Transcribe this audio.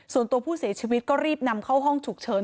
ส่วนตัวผู้เสียชีวิตก็รีบนำเข้าห้องฉุกเฉิน